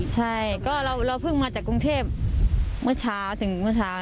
ใช่ก็เราเพิ่งมาจากกรุงเทพเมื่อเช้าถึงเมื่อเช้า